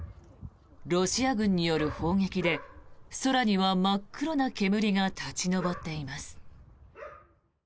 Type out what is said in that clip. ロシア軍による砲撃で空には真っ黒な煙が立ち上っています。